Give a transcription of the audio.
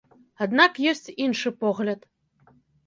Аднак ёсць іншы погляд.